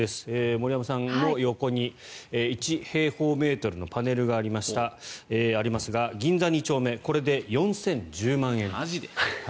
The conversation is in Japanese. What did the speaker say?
森山さんの横に１平方メートルのパネルがありますが銀座２丁目これで４０１０万円。